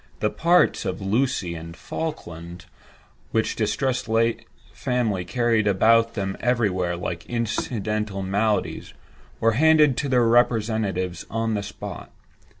The "parts" of "Lucy" and "Falkland" (which the distressed family carried about with them everywhere, like incidental maladies) were handed to their representatives on the spot.